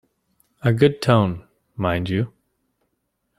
A good tone, mind you!